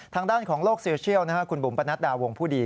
ทางด้านของโลกโซเชียลคุณบุ๋มปนัดดาวงผู้ดี